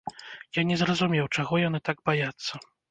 Я не зразумеў, чаго яны так баяцца.